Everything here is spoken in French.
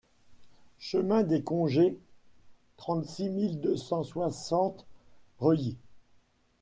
Chemin des Conges, trente-six mille deux cent soixante Reuilly